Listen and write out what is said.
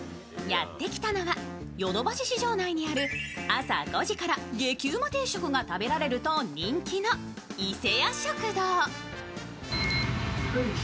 やってきたのは、淀橋市場内にある朝５時から激ウマ定食が食べられると人気の伊勢屋食堂。